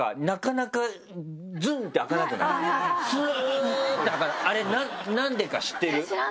スって開かないあれなんでか知ってる？